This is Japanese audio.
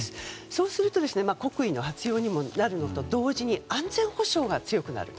そうすると国威の発揚にもなるのと同時に安全保障が強くなる。